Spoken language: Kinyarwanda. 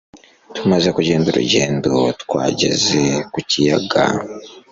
Tumaze kugenda urugendo twageze ku kiyaga